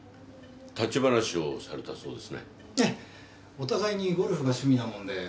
お互いにゴルフが趣味なもんで「最近どう？」